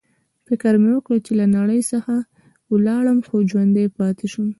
فکر مې وکړ چې له نړۍ څخه ولاړم، خو ژوندی پاتې شوم.